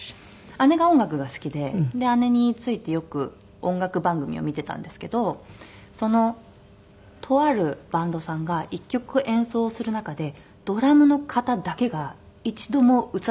姉が音楽が好きで姉に付いてよく音楽番組を見てたんですけどそのとあるバンドさんが１曲演奏する中でドラムの方だけが一度も映らなかったんですね。